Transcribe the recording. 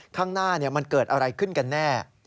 ข้างหน้ามันเกิดอะไรขึ้นกันแน่